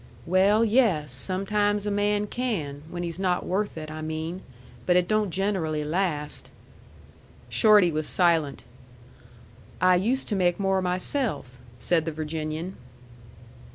"Well, yes. Sometimes a man can when he's not worth it, I mean. But it don't generally last." Shorty was silent. "I used to make more myself," said the Virginian.